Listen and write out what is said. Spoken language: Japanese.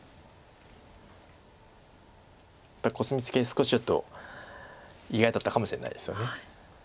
少しちょっと意外だったかもしれないですよね。